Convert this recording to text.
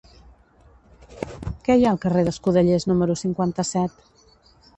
Què hi ha al carrer d'Escudellers número cinquanta-set?